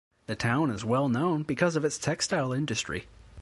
The town is well known because of its textile industry.